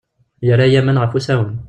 Yerra-iyi aman ɣef usawen.